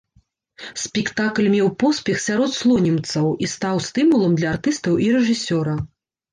Спектакль меў поспех сярод слонімцаў і стаў стымулам для артыстаў і рэжысёра.